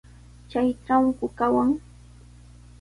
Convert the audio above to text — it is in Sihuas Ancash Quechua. ¿Chaytrawku kawan?